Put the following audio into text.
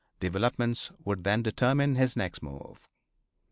Developments would then determine his next move.